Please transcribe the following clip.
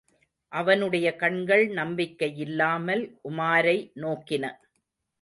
அவனுடைய கண்கள் நம்பிக்கையில்லாமல் உமாரை நோக்கின.